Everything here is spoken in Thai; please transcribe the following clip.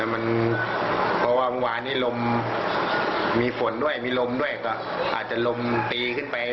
เพราะว่าเมื่อวานนี้ลมมีฝนด้วยมีลมด้วยก็อาจจะลมตีขึ้นไป